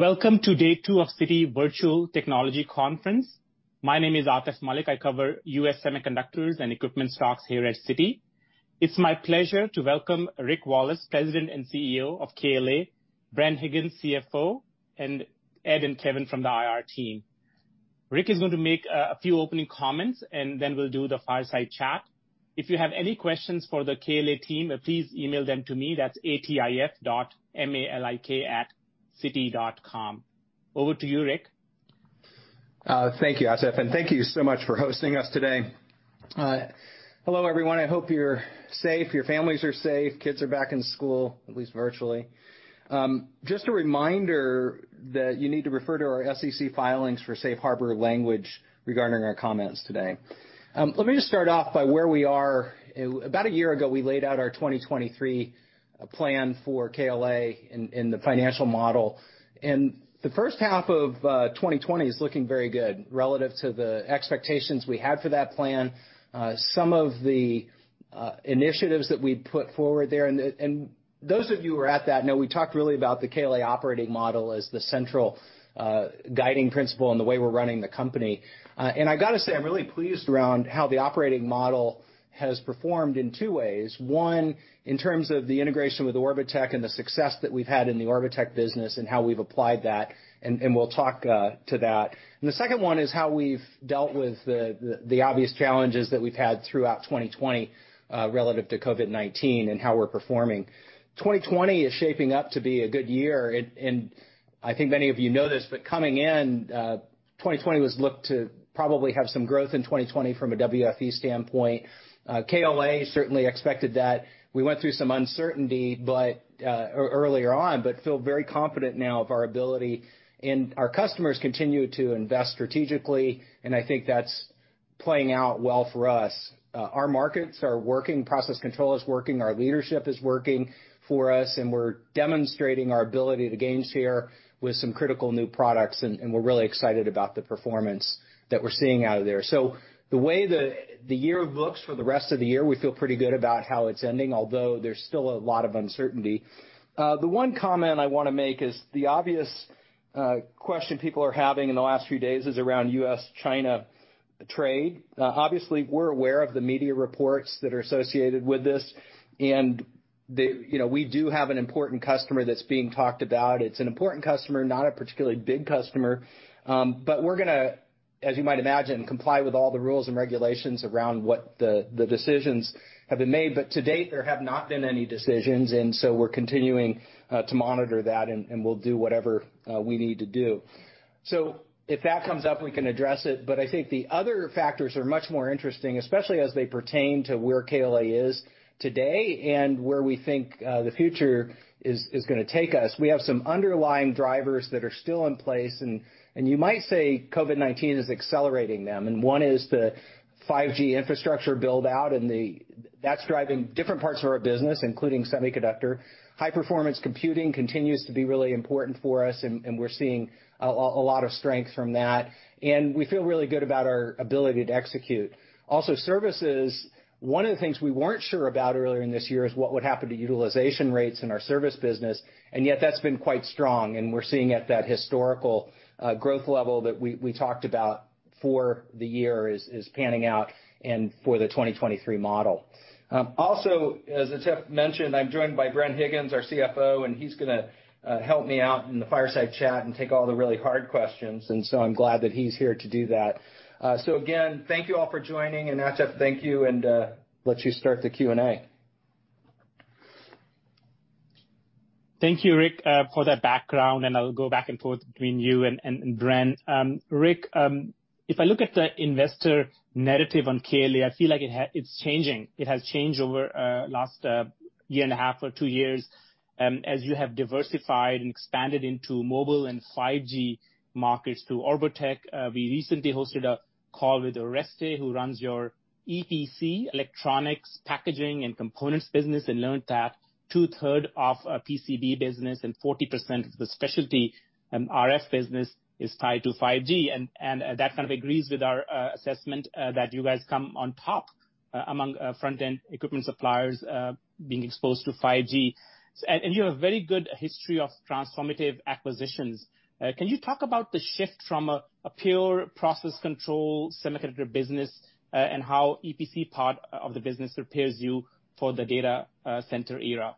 Welcome to day two of Citi Virtual Technology Conference. My name is Atif Malik. I cover U.S. semiconductors and equipment stocks here at Citi. It's my pleasure to welcome Rick Wallace, President and CEO of KLA, Bren Higgins, CFO, and Ed and Kevin from the IR team. Rick is going to make a few opening comments, and then we'll do the fireside chat. If you have any questions for the KLA team, please email them to me. That's atif.malik@citi.com. Over to you, Rick. Thank you, Atif. Thank you so much for hosting us today. Hello, everyone. I hope you're safe, your families are safe, kids are back in school, at least virtually. Just a reminder that you need to refer to our SEC filings for safe harbor language regarding our comments today. Let me just start off by where we are. About a year ago, we laid out our 2023 plan for KLA in the financial model. The first half of 2020 is looking very good relative to the expectations we had for that plan. Some of the initiatives that we put forward there, and those of you who were at that know we talked really about the KLA Operating Model as the central guiding principle and the way we're running the company. I got to say, I'm really pleased around how the operating model has performed in two ways. One, in terms of the integration with Orbotech and the success that we've had in the Orbotech business and how we've applied that, and we'll talk to that. The second one is how we've dealt with the obvious challenges that we've had throughout 2020, relative to COVID-19 and how we're performing. 2020 is shaping up to be a good year, and I think many of you know this, but coming in, 2020 was looked to probably have some growth in 2020 from a WFE standpoint. KLA certainly expected that. We went through some uncertainty earlier on, but feel very confident now of our ability, and our customers continue to invest strategically, and I think that's playing out well for us. Our markets are working, process control is working, our leadership is working for us, and we're demonstrating our ability to gain share with some critical new products, and we're really excited about the performance that we're seeing out of there. The way the year looks for the rest of the year, we feel pretty good about how it's ending, although there's still a lot of uncertainty. The one comment I want to make is the obvious question people are having in the last few days is around US-China trade. Obviously, we're aware of the media reports that are associated with this, and we do have an important customer that's being talked about. It's an important customer, not a particularly big customer. We're going to, as you might imagine, comply with all the rules and regulations around what the decisions have been made. To date, there have not been any decisions, and so we're continuing to monitor that, and we'll do whatever we need to do. If that comes up, we can address it. I think the other factors are much more interesting, especially as they pertain to where KLA is today and where we think the future is going to take us. We have some underlying drivers that are still in place, and you might say COVID-19 is accelerating them, and one is the 5G infrastructure build-out, and that's driving different parts of our business, including semiconductor. High-performance computing continues to be really important for us, and we're seeing a lot of strength from that. We feel really good about our ability to execute. Services, one of the things we weren't sure about earlier in this year is what would happen to utilization rates in our service business, and yet that's been quite strong, and we're seeing at that historical growth level that we talked about for the year is panning out and for the 2023 model. As Atif mentioned, I'm joined by Bren Higgins, our CFO, and he's going to help me out in the fireside chat and take all the really hard questions. I'm glad that he's here to do that. Again, thank you all for joining, and Atif, thank you, and let you start the Q&A. Thank you, Rick, for that background. I'll go back and forth between you and Bren. Rick, if I look at the investor narrative on KLA, I feel like it's changing. It has changed over last year and a half or two years, as you have diversified and expanded into mobile and 5G markets through Orbotech. We recently hosted a call with Oreste, who runs your EPC, Electronics, Packaging, and Components business, learned that two third of PCB business and 40% of the specialty RF business is tied to 5G. That kind of agrees with our assessment that you guys come on top among front-end equipment suppliers, being exposed to 5G. You have a very good history of transformative acquisitions. Can you talk about the shift from a pure process control semiconductor business, and how EPC part of the business prepares you for the data center era?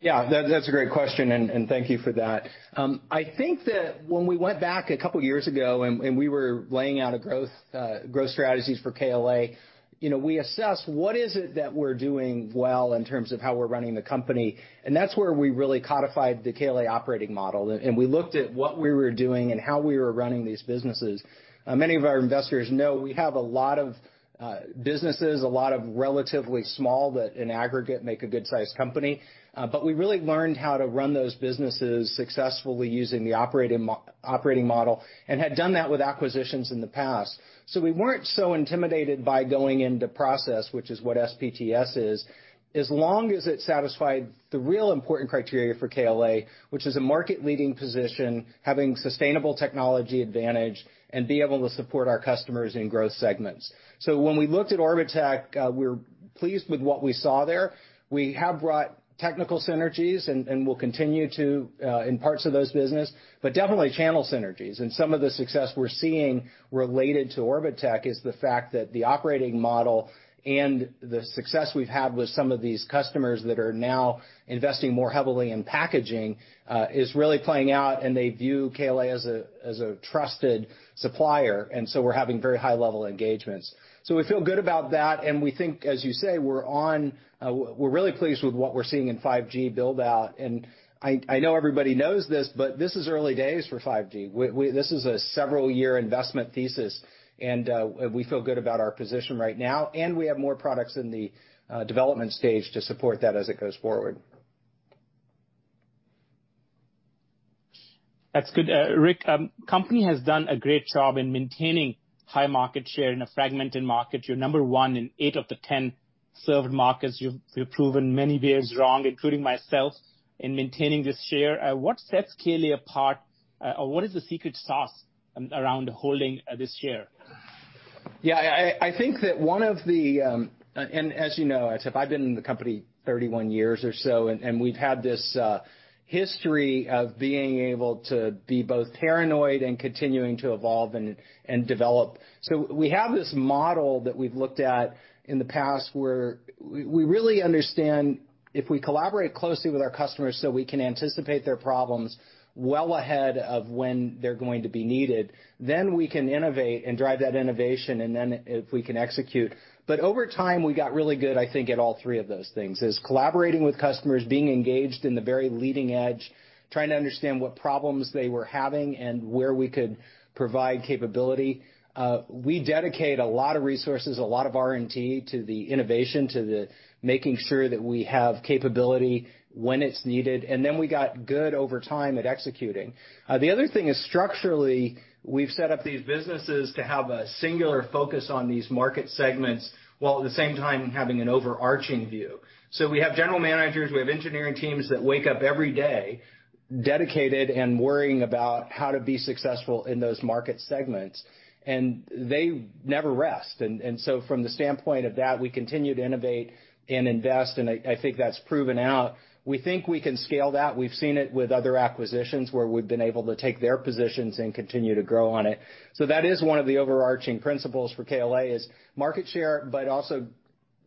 Yeah, that's a great question. Thank you for that. I think that when we went back a couple of years ago, we were laying out growth strategies for KLA, we assessed what is it that we're doing well in terms of how we're running the company, that's where we really codified the KLA Operating Model, we looked at what we were doing and how we were running these businesses. Many of our investors know we have a lot of businesses, a lot of relatively small that in aggregate make a good size company. We really learned how to run those businesses successfully using the operating model, had done that with acquisitions in the past. We weren't so intimidated by going into process, which is what SPTS is, as long as it satisfied the real important criteria for KLA, which is a market leading position, having sustainable technology advantage, and be able to support our customers in growth segments. When we looked at Orbotech, we were pleased with what we saw there. We have brought technical synergies, and we'll continue to in parts of those business, but definitely channel synergies. Some of the success we're seeing related to Orbotech is the fact that the KLA Operating Model and the success we've had with some of these customers that are now investing more heavily in packaging, is really playing out and they view KLA as a trusted supplier, and so we're having very high level engagements. We feel good about that, and we think, as you say, we're really pleased with what we're seeing in 5G build-out, and I know everybody knows this, but this is early days for 5G. This is a several-year investment thesis, and we feel good about our position right now, and we have more products in the development stage to support that as it goes forward. That's good. Rick, company has done a great job in maintaining high market share in a fragmented market. You're number 1 in eight of the 10 served markets. You've proven many bears wrong, including myself, in maintaining this share. What sets KLA apart? What is the secret sauce around holding this share? Yeah. As you know, Atif, I've been in the company 31 years or so. We've had this history of being able to be both paranoid and continuing to evolve and develop. We have this model that we've looked at in the past where we really understand if we collaborate closely with our customers so we can anticipate their problems well ahead of when they're going to be needed, then we can innovate and drive that innovation, and then if we can execute. Over time, we got really good, I think, at all three of those things, is collaborating with customers, being engaged in the very leading edge, trying to understand what problems they were having, and where we could provide capability. We dedicate a lot of resources, a lot of R&D to the innovation, to the making sure that we have capability when it's needed, and then we got good over time at executing. The other thing is, structurally, we've set up these businesses to have a singular focus on these market segments, while at the same time having an overarching view. We have general managers, we have engineering teams that wake up every day dedicated and worrying about how to be successful in those market segments, and they never rest. From the standpoint of that, we continue to innovate and invest, and I think that's proven out. We think we can scale that. We've seen it with other acquisitions where we've been able to take their positions and continue to grow on it. That is one of the overarching principles for KLA, is market share, but also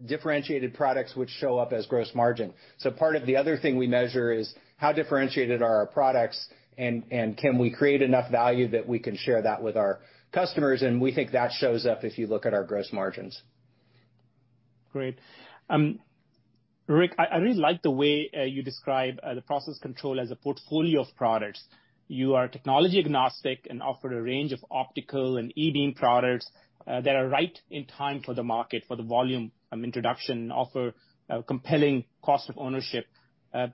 differentiated products which show up as gross margin. Part of the other thing we measure is how differentiated are our products and can we create enough value that we can share that with our customers? We think that shows up if you look at our gross margins. Great. Rick, I really like the way you describe the process control as a portfolio of products. You are technology agnostic and offer a range of optical and E-beam products that are right in time for the market, for the volume introduction, and offer compelling cost of ownership.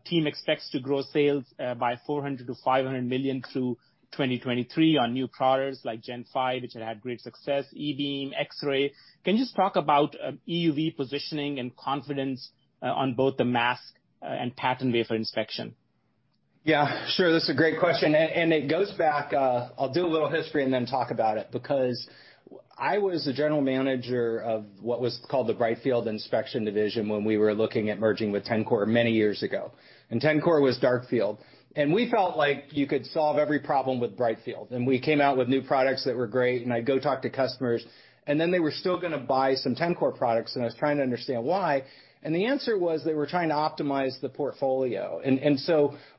Team expects to grow sales by $400 million-$500 million through 2023 on new products like Gen5, which had great success, E-beam, X-ray. Can you just talk about EUV positioning and confidence on both the mask and pattern wafer inspection? Yeah, sure. That's a great question. I'll do a little history and then talk about it, because I was the general manager of what was called the Brightfield Inspection Division when we were looking at merging with Tencor many years ago. Tencor was darkfield. We felt like you could solve every problem with brightfield. We came out with new products that were great, and I'd go talk to customers. Then they were still going to buy some Tencor products, and I was trying to understand why. The answer was they were trying to optimize the portfolio.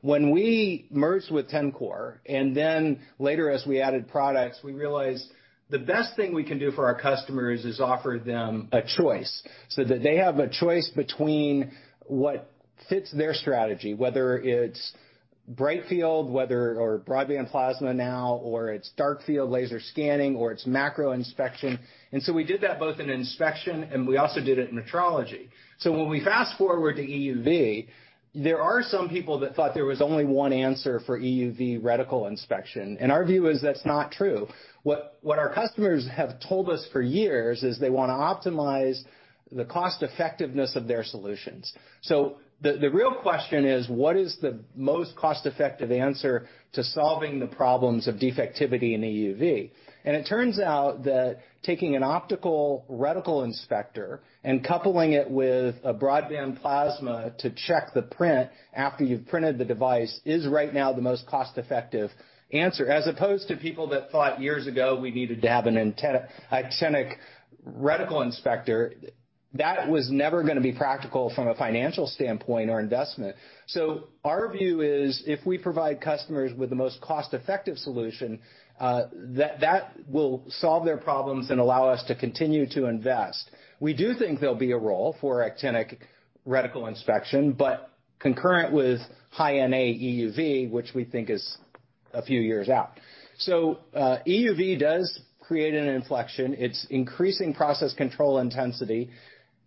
When we merged with Tencor, later as we added products, we realized the best thing we can do for our customers is offer them a choice, so that they have a choice between what fits their strategy, whether it's brightfield, or broadband plasma now, or it's darkfield laser scanning, or it's macro inspection. We did that both in inspection and we also did it in metrology. When we fast-forward to EUV, there are some people that thought there was only one answer for EUV reticle inspection, and our view is that's not true. What our customers have told us for years is they want to optimize the cost effectiveness of their solutions. The real question is what is the most cost-effective answer to solving the problems of defectivity in EUV? It turns out that taking an optical reticle inspector and coupling it with a broadband plasma to check the print after you've printed the device is right now the most cost-effective answer, as opposed to people that thought years ago we needed to have an actinic reticle inspector. That was never going to be practical from a financial standpoint or investment. Our view is, if we provide customers with the most cost-effective solution, that will solve their problems and allow us to continue to invest. We do think there'll be a role for actinic reticle inspection, but concurrent with High-NA EUV, which we think is a few years out. EUV does create an inflection. It's increasing process control intensity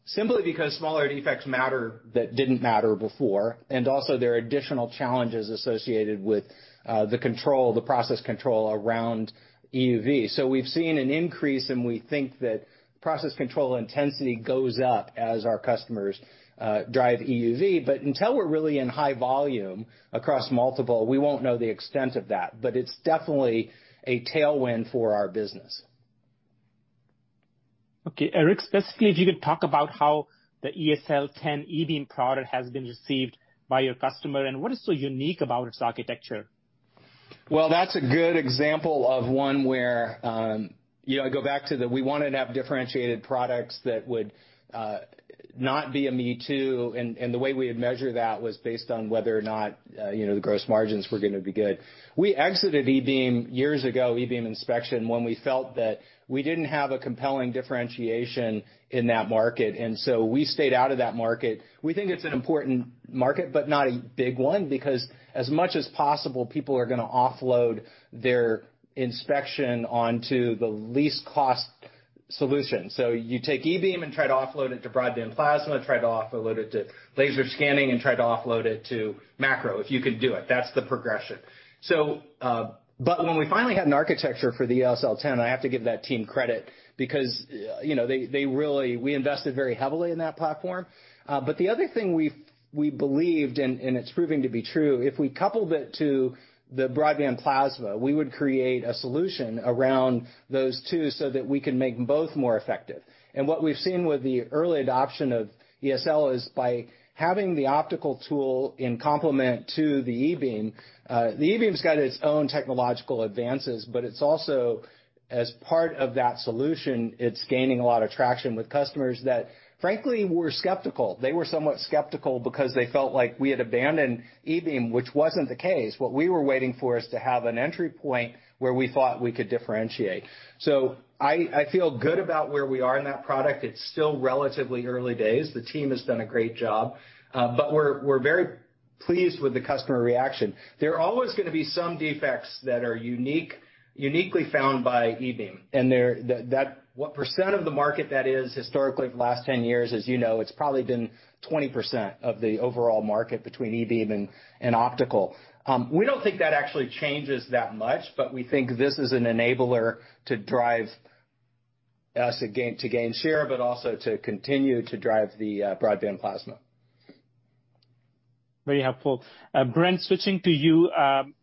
simply because smaller defects matter that didn't matter before. Also, there are additional challenges associated with the process control around EUV. We've seen an increase, and we think that process control intensity goes up as our customers drive EUV. Until we're really in high volume across multiple, we won't know the extent of that. It's definitely a tailwind for our business. Okay, Rick, specifically, if you could talk about how the eSL10 E-beam product has been received by your customer, and what is so unique about its architecture? Well, that's a good example of one where I go back to that we wanted to have differentiated products that would not be a me too, and the way we would measure that was based on whether or not the gross margins were going to be good. We exited E-beam years ago, E-beam inspection, when we felt that we didn't have a compelling differentiation in that market, and so we stayed out of that market. We think it's an important market, but not a big one, because as much as possible, people are going to offload their inspection onto the least cost solution. You take E-beam and try to offload it to broadband plasma, try to offload it to laser scanning, and try to offload it to macro if you can do it. That's the progression. When we finally had an architecture for the eSL10, I have to give that team credit because we invested very heavily in that platform. The other thing we believed, and it's proving to be true, if we coupled it to the broadband plasma, we would create a solution around those two so that we can make both more effective. What we've seen with the early adoption of eSL is by having the optical tool in complement to the E-beam. The E-beam's got its own technological advances, but it's also, as part of that solution, it's gaining a lot of traction with customers that frankly were skeptical. They were somewhat skeptical because they felt like we had abandoned E-beam, which wasn't the case. What we were waiting for is to have an entry point where we thought we could differentiate. I feel good about where we are in that product. It's still relatively early days. The team has done a great job. We're very pleased with the customer reaction. There are always going to be some defects that are uniquely found by E-beam. What % of the market that is historically over the last 10 years, as you know, it's probably been 20% of the overall market between E-beam and optical. We don't think that actually changes that much, but we think this is an enabler to drive us to gain share, but also to continue to drive the broadband plasma. Very helpful. Bren, switching to you.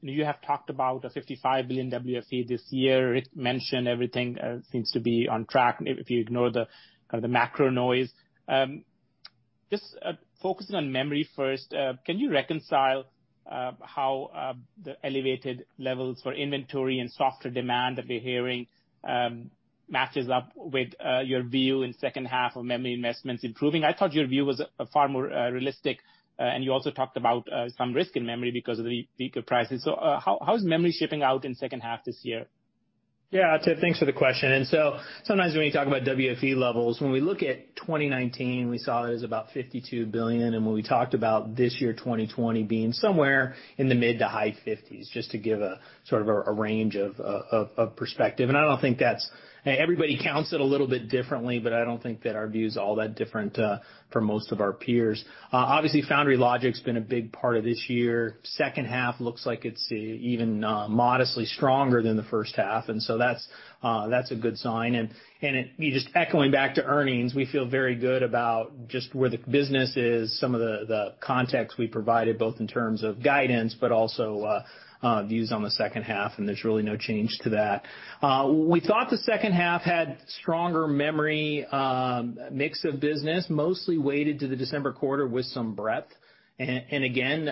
You have talked about a $55 billion WFE this year. Rick mentioned everything seems to be on track if you ignore the macro noise. Just focusing on memory first, can you reconcile how the elevated levels for inventory and softer demand that we're hearing matches up with your view in second half of memory investments improving? I thought your view was far more realistic, and you also talked about some risk in memory because of the weaker prices. How is memory shaping out in second half this year? Yeah, Atif, thanks for the question. Sometimes when you talk about WFE levels, when we look at 2019, we saw it was about $52 billion, and when we talked about this year, 2020, being somewhere in the mid to high $50s, just to give a range of perspective. Everybody counts it a little bit differently, I don't think that our view is all that different from most of our peers. Obviously, foundry logic's been a big part of this year. Second half looks like it's even modestly stronger than the first half, that's a good sign. Just echoing back to earnings, we feel very good about just where the business is, some of the context we provided, both in terms of guidance, but also views on the second half, and there's really no change to that. We thought the second half had stronger memory mix of business, mostly weighted to the December quarter with some breadth. Again,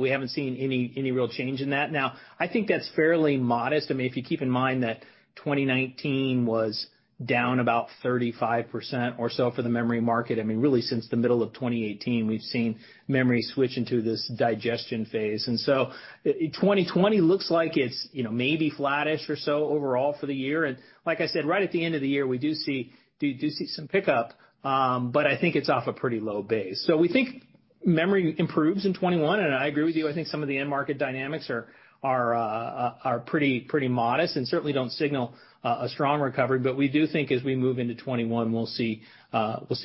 we haven't seen any real change in that. I think that's fairly modest. If you keep in mind that 2019 was down about 35% or so for the memory market. Really since the middle of 2018, we've seen memory switch into this digestion phase. 2020 looks like it's maybe flattish or so overall for the year. Like I said, right at the end of the year, we do see some pickup, but I think it's off a pretty low base. We think memory improves in 2021, and I agree with you, I think some of the end market dynamics are pretty modest and certainly don't signal a strong recovery. We do think as we move into 2021, we'll see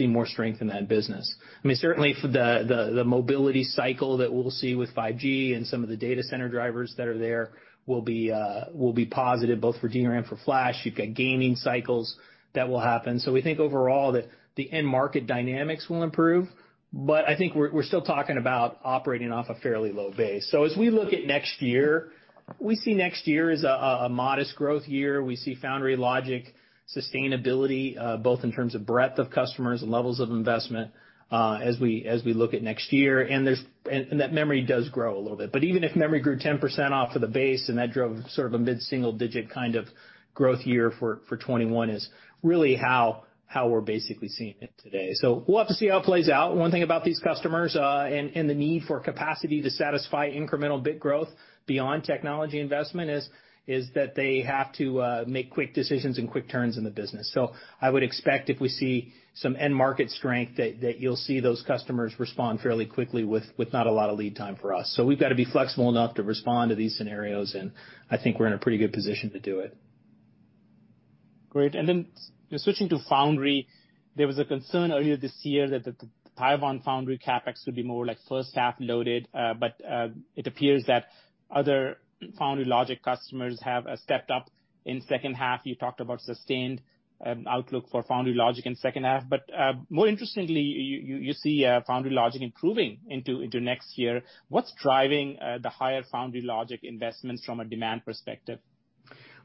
more strength in that business. Certainly for the mobility cycle that we'll see with 5G and some of the data center drivers that are there will be positive both for DRAM, for flash. You've got gaming cycles that will happen. We think overall that the end market dynamics will improve, but I think we're still talking about operating off a fairly low base. As we look at next year, we see next year as a modest growth year. We see foundry logic sustainability, both in terms of breadth of customers and levels of investment as we look at next year. That memory does grow a little bit. Even if memory grew 10% off of the base and that drove a mid-single digit kind of growth year for 2021 is really how we're basically seeing it today. We'll have to see how it plays out. One thing about these customers, and the need for capacity to satisfy incremental bit growth beyond technology investment, is that they have to make quick decisions and quick turns in the business. I would expect if we see some end market strength that you'll see those customers respond fairly quickly with not a lot of lead time for us. We've got to be flexible enough to respond to these scenarios, and I think we're in a pretty good position to do it. Great. Switching to foundry, there was a concern earlier this year that the Taiwan foundry CapEx would be more first half loaded. It appears that other foundry logic customers have stepped up in second half. You talked about sustained outlook for foundry logic in second half. More interestingly, you see foundry logic improving into next year. What's driving the higher foundry logic investments from a demand perspective?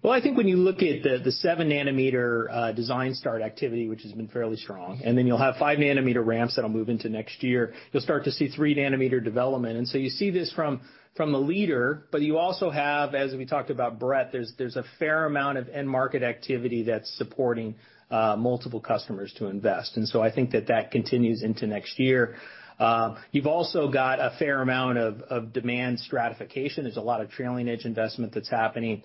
Well, I think when you look at the 7-nanometer design start activity, which has been fairly strong, then you'll have 5-nanometer ramps that'll move into next year. You'll start to see 3-nanometer development. You see this from a leader, but you also have, as we talked about breadth, there's a fair amount of end market activity that's supporting multiple customers to invest. I think that that continues into next year. You've also got a fair amount of demand stratification. There's a lot of trailing edge investment that's happening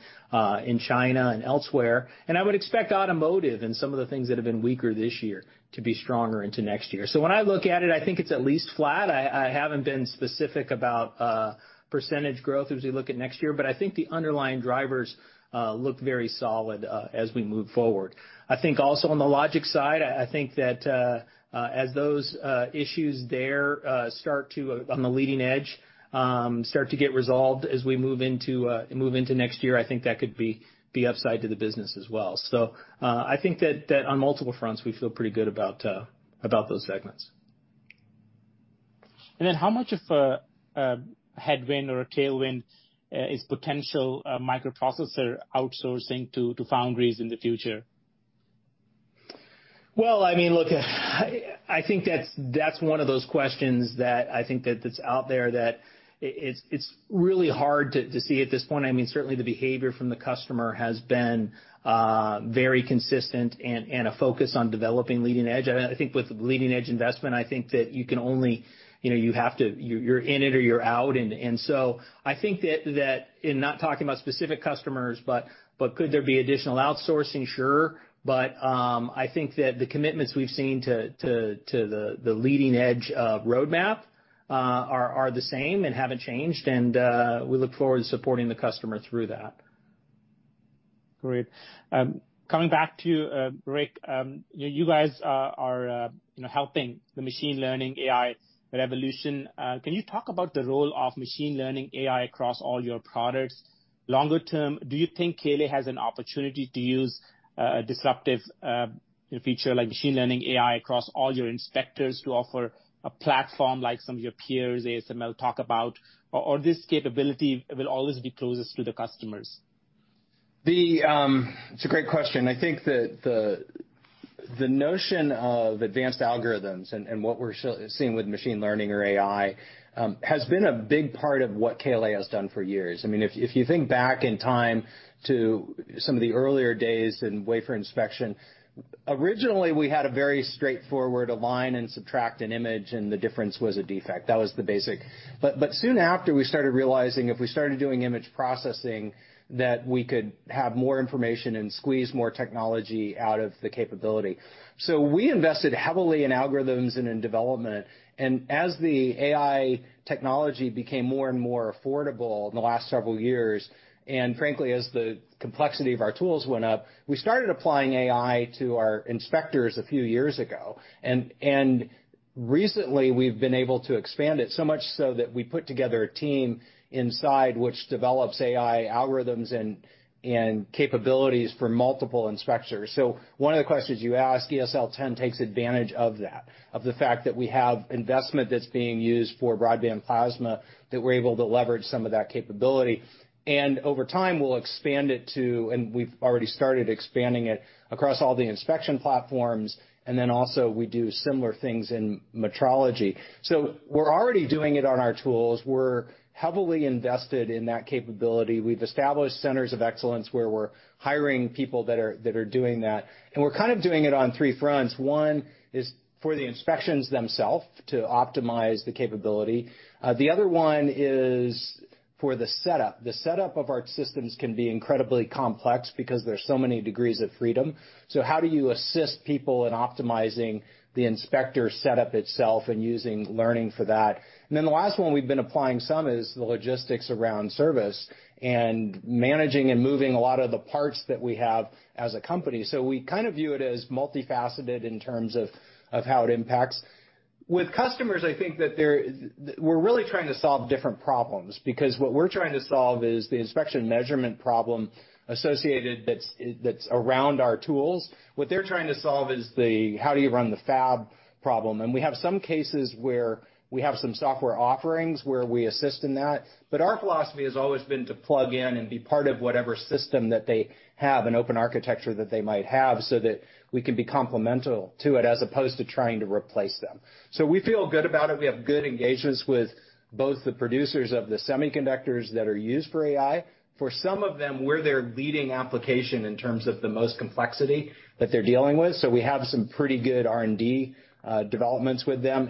in China and elsewhere. I would expect automotive and some of the things that have been weaker this year to be stronger into next year. When I look at it, I think it's at least flat. I haven't been specific about percentage growth as we look at next year. I think the underlying drivers look very solid as we move forward. I think also on the logic side, I think that as those issues there on the leading edge, start to get resolved as we move into next year, I think that could be upside to the business as well. I think that on multiple fronts, we feel pretty good about those segments. How much of a headwind or a tailwind is potential microprocessor outsourcing to foundries in the future? Well, look, I think that's one of those questions that I think that's out there that it's really hard to see at this point. Certainly, the behavior from the customer has been very consistent and a focus on developing leading edge. I think with leading edge investment, I think that you're in it or you're out. I think that, and not talking about specific customers, but could there be additional outsourcing? Sure. I think that the commitments we've seen to the leading edge of roadmap are the same and haven't changed and, we look forward to supporting the customer through that. Great. Coming back to you, Rick, you guys are helping the machine learning AI revolution. Can you talk about the role of machine learning AI across all your products longer term? Do you think KLA has an opportunity to use a disruptive feature like machine learning AI across all your inspectors to offer a platform like some of your peers, ASML talk about, or this capability will always be closest to the customers? It's a great question. I think that the notion of advanced algorithms and what we're seeing with machine learning or AI, has been a big part of what KLA has done for years. If you think back in time to some of the earlier days in wafer inspection, originally, we had a very straightforward align and subtract an image, and the difference was a defect. That was the basic. Soon after, we started realizing if we started doing image processing, that we could have more information and squeeze more technology out of the capability. We invested heavily in algorithms and in development. As the AI technology became more and more affordable in the last several years, and frankly, as the complexity of our tools went up, we started applying AI to our inspectors a few years ago. Recently, we've been able to expand it, so much so that we put together a team inside which develops AI algorithms and capabilities for multiple inspectors. One of the questions you asked, eSL10 takes advantage of that, of the fact that we have investment that's being used for broadband plasma, that we're able to leverage some of that capability. Over time, we'll expand it to, and we've already started expanding it across all the inspection platforms, and then also we do similar things in metrology. We're already doing it on our tools. We're heavily invested in that capability. We've established centers of excellence where we're hiring people that are doing that, and we're kind of doing it on three fronts. One is for the inspections themselves to optimize the capability. The other one is for the setup. The setup of our systems can be incredibly complex because there's so many degrees of freedom. How do you assist people in optimizing the inspector setup itself and using learning for that? The last one we've been applying some is the logistics around service and managing and moving a lot of the parts that we have as a company. We kind of view it as multifaceted in terms of how it impacts. With customers, I think that we're really trying to solve different problems, because what we're trying to solve is the inspection measurement problem associated that's around our tools. What they're trying to solve is the how do you run the fab problem. We have some cases where we have some software offerings where we assist in that. Our philosophy has always been to plug in and be part of whatever system that they have, an open architecture that they might have, so that we can be complemental to it as opposed to trying to replace them. We feel good about it. We have good engagements with both the producers of the semiconductors that are used for AI. For some of them, we're their leading application in terms of the most complexity that they're dealing with, so we have some pretty good R&D, developments with them.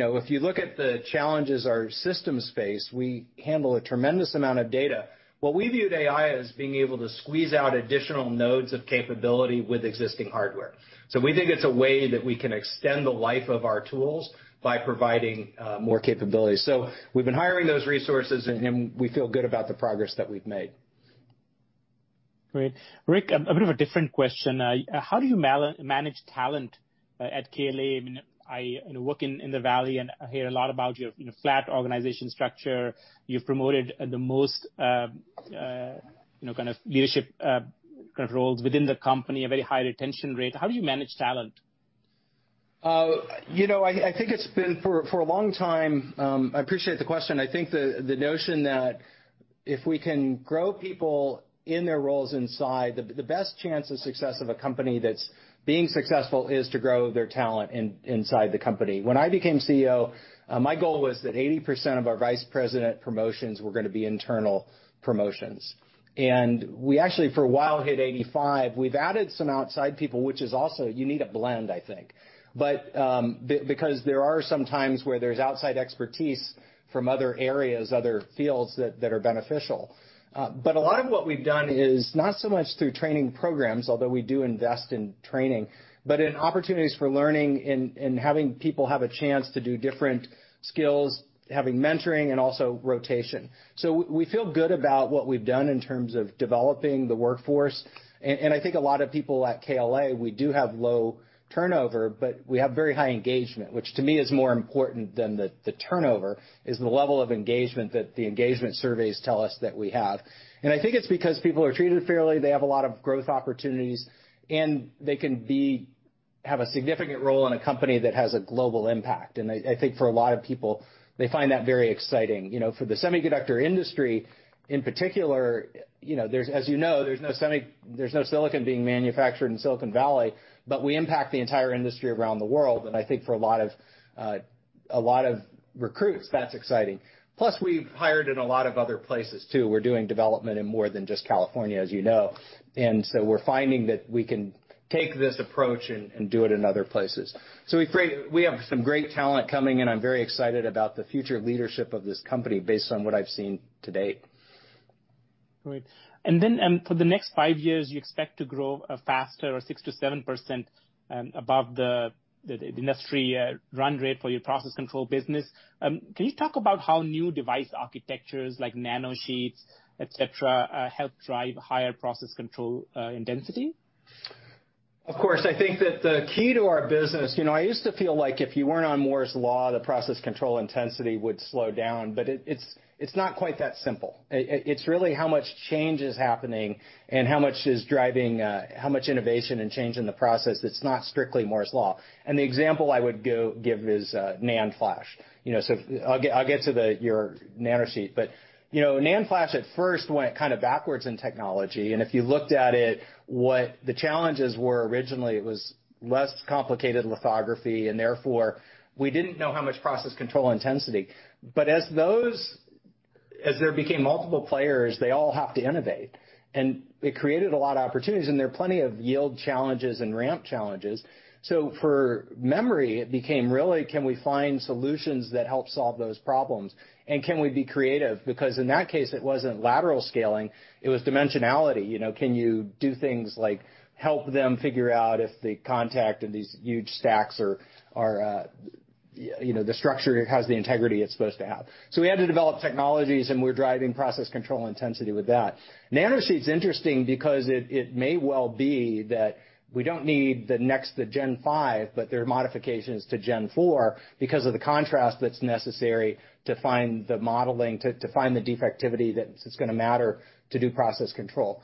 If you look at the challenges our systems face, we handle a tremendous amount of data. What we viewed AI as being able to squeeze out additional nodes of capability with existing hardware. We think it's a way that we can extend the life of our tools by providing more capabilities. We've been hiring those resources, and we feel good about the progress that we've made. Great. Rick, a bit of a different question. How do you manage talent at KLA? I work in The Valley. I hear a lot about your flat organization structure. You've promoted the most kind of leadership kind of roles within the company, a very high retention rate. How do you manage talent? I think it's been for a long time, I appreciate the question. I think the notion that if we can grow people in their roles inside, the best chance of success of a company that's being successful is to grow their talent inside the company. When I became CEO, my goal was that 80% of our vice president promotions were going to be internal promotions. We actually, for a while, hit 85%. We've added some outside people, which is also, you need a blend, I think. There are some times where there's outside expertise from other areas, other fields that are beneficial. A lot of what we've done is not so much through training programs, although we do invest in training, but in opportunities for learning and having people have a chance to do different skills, having mentoring, and also rotation. We feel good about what we've done in terms of developing the workforce. I think a lot of people at KLA, we do have low turnover, but we have very high engagement, which to me is more important than the turnover, is the level of engagement that the engagement surveys tell us that we have. I think it's because people are treated fairly, they have a lot of growth opportunities, and they can have a significant role in a company that has a global impact. I think for a lot of people, they find that very exciting. For the semiconductor industry in particular, as you know, there's no silicon being manufactured in Silicon Valley, but we impact the entire industry around the world, and I think for a lot of recruits, that's exciting. Plus, we've hired in a lot of other places, too. We're doing development in more than just California, as you know. We're finding that we can take this approach and do it in other places. We have some great talent coming in. I'm very excited about the future leadership of this company based on what I've seen to date. Great. For the next five years, you expect to grow faster or 6%-7% above the industry run rate for your process control business. Can you talk about how new device architectures like nanosheets, et cetera, help drive higher process control intensity? Of course, I think that the key to our business, I used to feel like if you weren't on Moore's Law, the process control intensity would slow down, but it's not quite that simple. It's really how much change is happening and how much is driving, how much innovation and change in the process. It's not strictly Moore's Law. The example I would give is NAND flash. I'll get to your nanosheet, but NAND flash at first went kind of backwards in technology, and if you looked at it, what the challenges were originally, it was less complicated lithography and therefore we didn't know how much process control intensity. As there became multiple players, they all have to innovate. It created a lot of opportunities, and there are plenty of yield challenges and ramp challenges. For memory, it became really, can we find solutions that help solve those problems? Can we be creative? In that case, it wasn't lateral scaling, it was dimensionality. Can you do things like help them figure out if the contact of these huge stacks or the structure has the integrity it's supposed to have? We had to develop technologies, and we're driving process control intensity with that. Nanosheet's interesting because it may well be that we don't need the next to Gen5, but there are modifications to Gen4 because of the contrast that's necessary to find the modeling, to find the defectivity that's going to matter to do process control.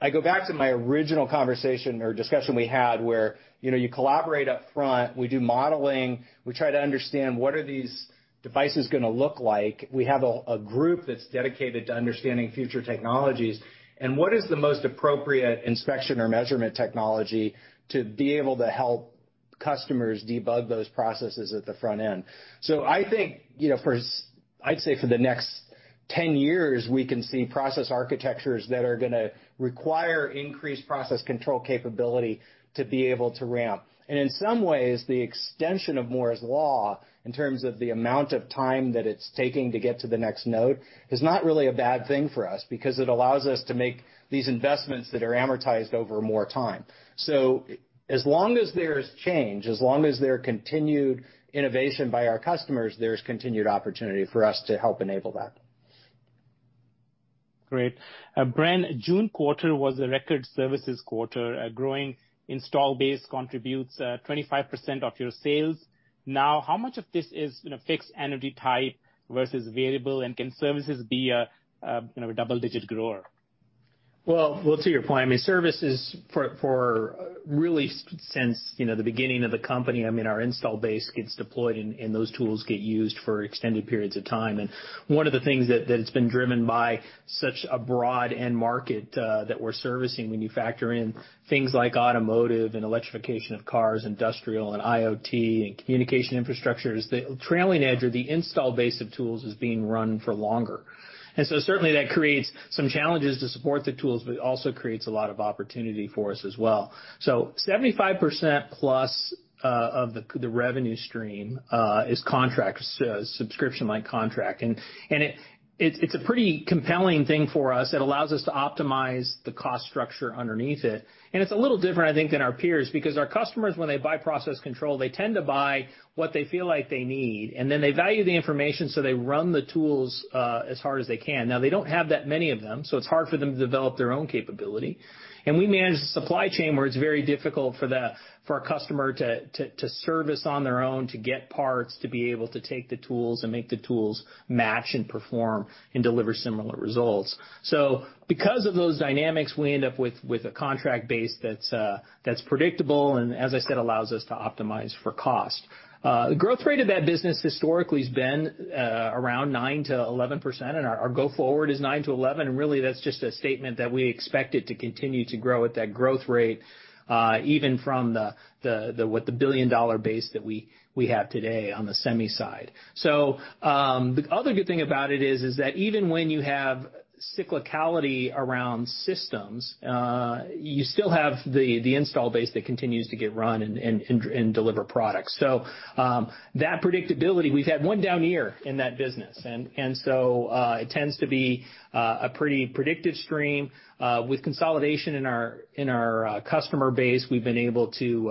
I go back to my original conversation or discussion we had where you collaborate up front, we do modeling, we try to understand what are these devices going to look like. We have a group that's dedicated to understanding future technologies and what is the most appropriate inspection or measurement technology to be able to help customers debug those processes at the front end. I think, I'd say for the next 10 years, we can see process architectures that are going to require increased process control capability to be able to ramp. In some ways, the extension of Moore's Law in terms of the amount of time that it's taking to get to the next node is not really a bad thing for us because it allows us to make these investments that are amortized over more time. As long as there is change, as long as there are continued innovation by our customers, there's continued opportunity for us to help enable that. Great. Bren, June quarter was a record services quarter, a growing install base contributes 25% of your sales. Now, how much of this is fixed annuity type versus variable, and can services be a double-digit grower? To your point, services for really since the beginning of the company, our install base gets deployed and those tools get used for extended periods of time, one of the things that it's been driven by such a broad end market that we're servicing when you factor in things like automotive and electrification of cars, industrial, and IoT, and communication infrastructure, is the trailing edge or the install base of tools is being run for longer. Certainly that creates some challenges to support the tools, but it also creates a lot of opportunity for us as well. 75% plus of the revenue stream is contract, subscription-like contract, and it's a pretty compelling thing for us. It allows us to optimize the cost structure underneath it, and it's a little different, I think, than our peers, because our customers, when they buy process control, they tend to buy what they feel like they need, and then they value the information, so they run the tools as hard as they can. Now they don't have that many of them, so it's hard for them to develop their own capability, and we manage the supply chain where it's very difficult for a customer to service on their own, to get parts, to be able to take the tools and make the tools match and perform and deliver similar results. So because of those dynamics, we end up with a contract base that's predictable and, as I said, allows us to optimize for cost. The growth rate of that business historically has been around 9%-11%. Our go forward is 9%-11%. Really that's just a statement that we expect it to continue to grow at that growth rate, even from the billion-dollar base that we have today on the semi side. The other good thing about it is that even when you have cyclicality around systems, you still have the install base that continues to get run and deliver products. That predictability, we've had one down year in that business. It tends to be a pretty predictive stream. With consolidation in our customer base, we've been able to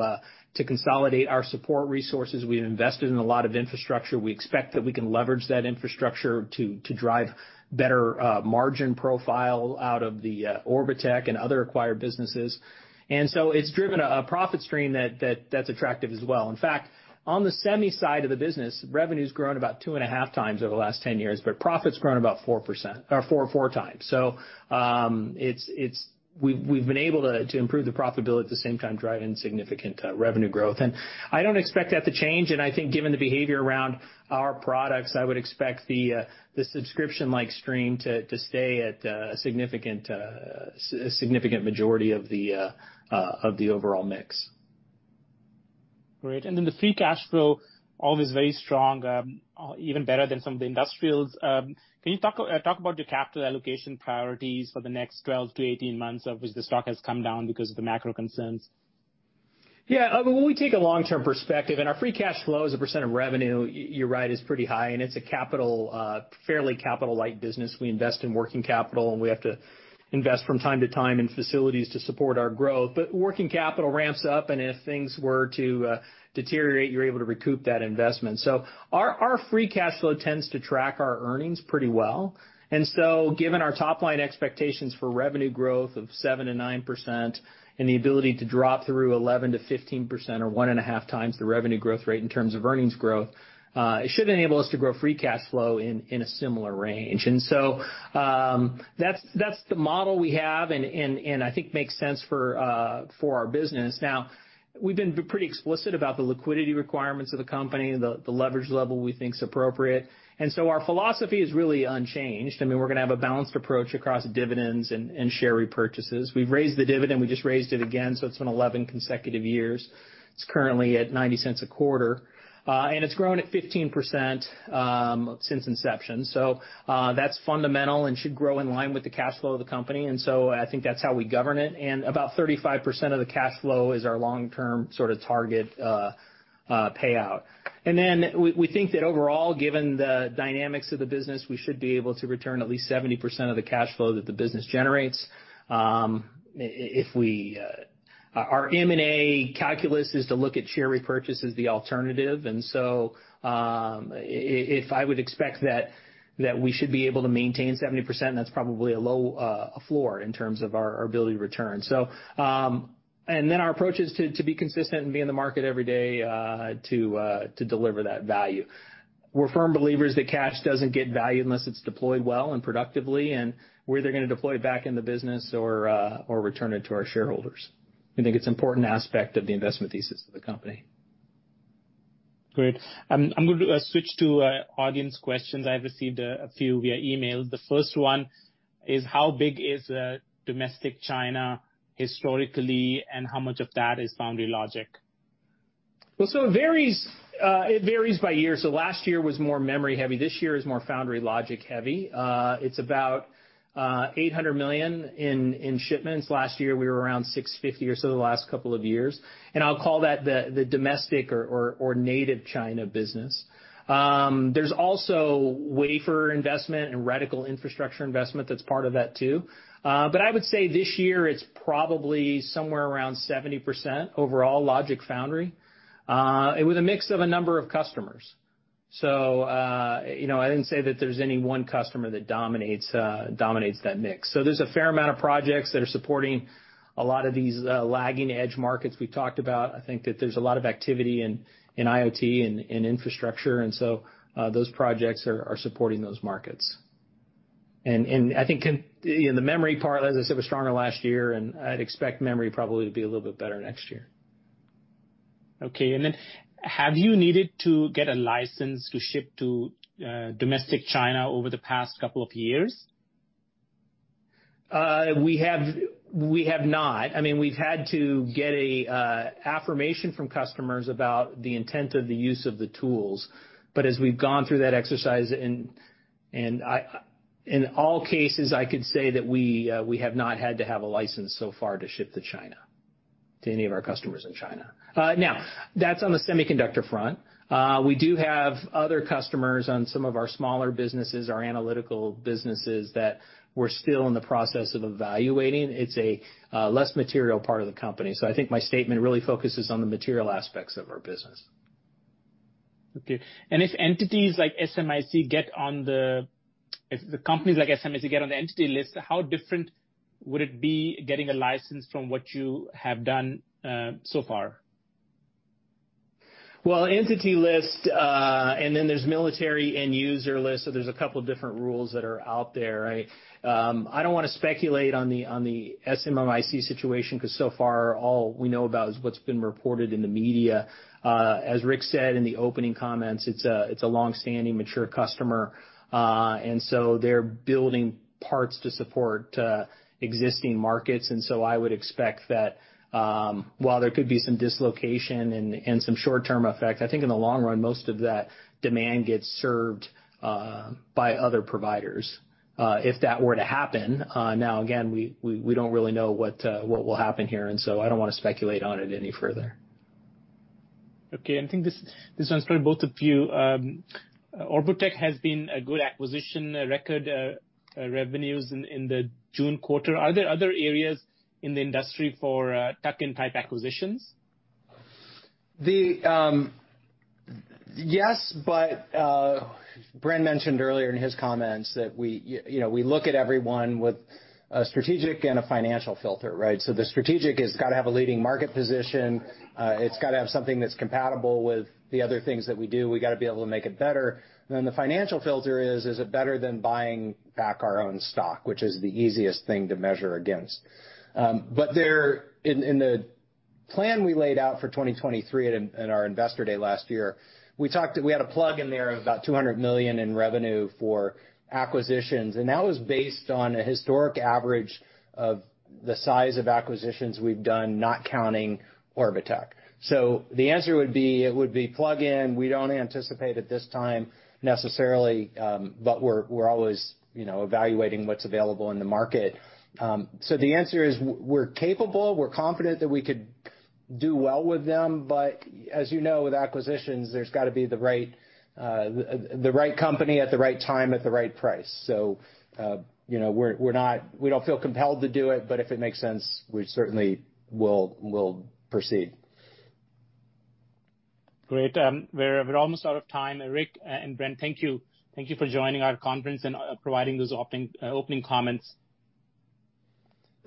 consolidate our support resources. We've invested in a lot of infrastructure. We expect that we can leverage that infrastructure to drive better margin profile out of the Orbotech and other acquired businesses. It's driven a profit stream that's attractive as well. In fact, on the semi side of the business, revenue's grown about two and a half times over the last 10 years, but profit's grown about four times. We've been able to improve the profitability at the same time, driving significant revenue growth. I don't expect that to change, and I think given the behavior around our products, I would expect the subscription-like stream to stay at a significant majority of the overall mix. The free cash flow, always very strong, even better than some of the industrials. Can you talk about your capital allocation priorities for the next 12 to 18 months, of which the stock has come down because of the macro concerns? When we take a long-term perspective, our free cash flow as a % of revenue, you're right, is pretty high, and it's a fairly capital-light business. We invest in working capital, and we have to invest from time to time in facilities to support our growth. Working capital ramps up, and if things were to deteriorate, you're able to recoup that investment. Our free cash flow tends to track our earnings pretty well. Given our top-line expectations for revenue growth of 7%-9% and the ability to drop through 11%-15%, or one and a half times the revenue growth rate in terms of earnings growth, it should enable us to grow free cash flow in a similar range. That's the model we have and I think makes sense for our business. We've been pretty explicit about the liquidity requirements of the company, the leverage level we think is appropriate. Our philosophy is really unchanged. We're going to have a balanced approach across dividends and share repurchases. We've raised the dividend, we just raised it again, it's been 11 consecutive years. It's currently at $0.90 a quarter. It's grown at 15% since inception. That's fundamental and should grow in line with the cash flow of the company. About 35% of the cash flow is our long-term target payout. We think that overall, given the dynamics of the business, we should be able to return at least 70% of the cash flow that the business generates. Our M&A calculus is to look at share repurchase as the alternative. If I would expect that we should be able to maintain 70%, that's probably a low floor in terms of our ability to return. Our approach is to be consistent and be in the market every day to deliver that value. We're firm believers that cash doesn't get value unless it's deployed well and productively, and we're either going to deploy it back in the business or return it to our shareholders. We think it's an important aspect of the investment thesis of the company. Great. I'm going to switch to audience questions. I've received a few via email. The first one is, how big is domestic China historically, and how much of that is foundry logic? It varies by year. Last year was more memory heavy. This year is more foundry logic heavy. It's about $800 million in shipments. Last year, we were around $650 million or so the last couple of years. I'll call that the domestic or native China business. There's also wafer investment and reticle infrastructure investment that's part of that too. I would say this year it's probably somewhere around 70% overall logic foundry, with a mix of a number of customers. I didn't say that there's any one customer that dominates that mix. There's a fair amount of projects that are supporting a lot of these lagging edge markets we've talked about. I think that there's a lot of activity in IoT and in infrastructure, those projects are supporting those markets. I think, the memory part, as I said, was stronger last year, and I'd expect memory probably to be a little bit better next year. Okay. Then have you needed to get a license to ship to domestic China over the past couple of years? We have not. We've had to get an affirmation from customers about the intent of the use of the tools. As we've gone through that exercise, in all cases, I could say that we have not had to have a license so far to ship to China, to any of our customers in China. That's on the semiconductor front. We do have other customers on some of our smaller businesses, our analytical businesses, that we're still in the process of evaluating. It's a less material part of the company. I think my statement really focuses on the material aspects of our business. Okay. If companies like SMIC get on the Entity List, how different would it be getting a license from what you have done so far? Well, Entity List, then there's Military End User List, there's a couple different rules that are out there, right? I don't want to speculate on the SMIC situation because so far all we know about is what's been reported in the media. As Rick said in the opening comments, it's a long-standing, mature customer. They're building parts to support existing markets, and so I would expect that while there could be some dislocation and some short-term effect, I think in the long run, most of that demand gets served by other providers. If that were to happen, now again, we don't really know what will happen here, and so I don't want to speculate on it any further. Okay. I think this one's for both of you. Orbotech has been a good acquisition, record revenues in the June quarter. Are there other areas in the industry for tuck-in type acquisitions? Yes, Bren mentioned earlier in his comments that we look at every one with a strategic and a financial filter, right? The strategic has got to have a leading market position. It's got to have something that's compatible with the other things that we do. We got to be able to make it better. The financial filter is: Is it better than buying back our own stock? Which is the easiest thing to measure against. In the plan we laid out for 2023 at our Investor Day last year, we had a plug-in there of about $200 million in revenue for acquisitions, and that was based on a historic average of the size of acquisitions we've done, not counting Orbotech. The answer would be plug-in, we don't anticipate at this time necessarily, but we're always evaluating what's available in the market. The answer is, we're capable, we're confident that we could do well with them, but as you know, with acquisitions, there's got to be the right company at the right time at the right price. We don't feel compelled to do it, but if it makes sense, we certainly will proceed. Great. We're almost out of time. Rick and Bren, thank you. Thank you for joining our conference and providing those opening comments.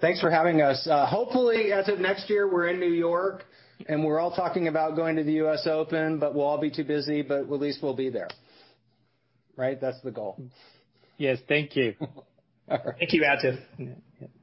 Thanks for having us. Hopefully as of next year, we're in New York and we're all talking about going to the US Open, but we'll all be too busy, but at least we'll be there. Right? That's the goal. Yes. Thank you. All right. Thank you, Atif.